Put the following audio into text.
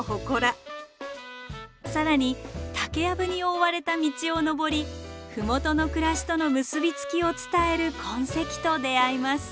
更に竹やぶに覆われた道を登り麓の暮らしとの結び付きを伝える痕跡と出会います。